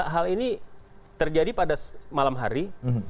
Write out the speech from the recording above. hal ini terjadi pada malam hari